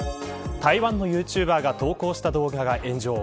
台湾のユーチューバーが投稿した動画が炎上。